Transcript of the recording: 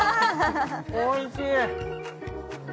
おいしい！